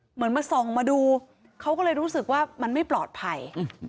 เหมือนมาส่องมาดูเขาก็เลยรู้สึกว่ามันไม่ปลอดภัย